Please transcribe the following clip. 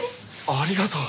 ありがとう。